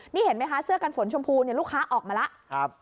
นี่เห็นไหมคะเสื้อกันฝนชมพูเนี่ยลูกค้าออกมาแล้ว